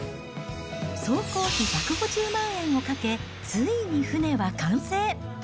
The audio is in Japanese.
総工費１５０万円をかけ、ついに船は完成。